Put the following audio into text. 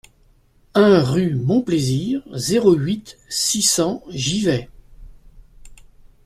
un rue Mon Plaisir, zéro huit, six cents, Givet